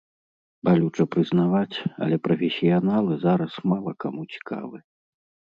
Балюча прызнаваць, але прафесіяналы зараз мала каму цікавы.